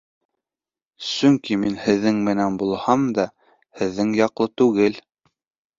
Сөнки мин һеҙҙең менән булһам да, һеҙҙең яҡлы түгел.